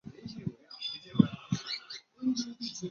母为大江磐代。